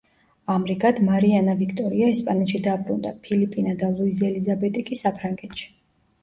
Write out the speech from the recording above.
ამრიგად, მარიანა ვიქტორია ესპანეთში დაბრუნდა, ფილიპინა და ლუიზ ელიზაბეტი კი საფრანგეთში.